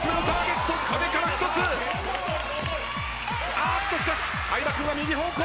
あっとしかし相葉君は右方向。